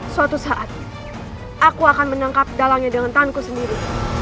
suatu saat aku akan menangkap dalangnya dengan tahanku sendiri